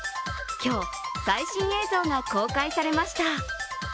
今日、最新映像が公開されました。